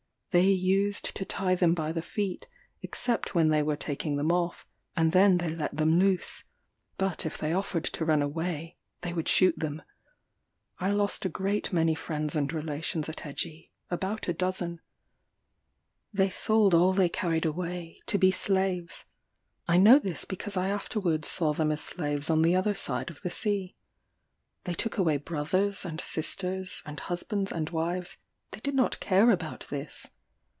They used to tie them by the feet, except when they were taking them off, and then they let them loose; but if they offered to run away, they would shoot them. I lost a great many friends and relations at Egie; about a dozen. They sold all they carried away, to be slaves. I know this because I afterwards saw them as slaves on the other side of the sea. They took away brothers, and sisters, and husbands, and wives; they did not care about this.